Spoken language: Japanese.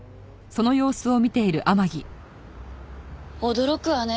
驚くわね。